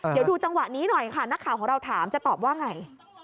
เดี๋ยวดูจังหวะนี้หน่อยค่ะนักข่าวของเราถามจะตอบว่าไง